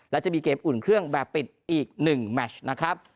และจะมีเกมอุ่นเครื่องแบบปิดอีก๑แมชนะครับ